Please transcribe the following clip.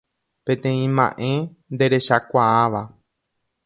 Peteĩ ma'ẽ nderechakuaáva